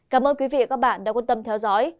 cảm ơn quý vị và các bạn đã quan tâm theo dõi